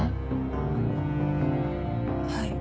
はい。